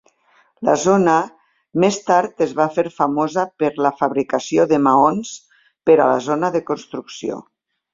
La zona més tard es va fer famosa per la fabricació de maons per a la zona de construcció.